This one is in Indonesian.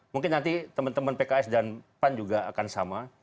mungkin nanti teman teman pks dan pan juga akan sama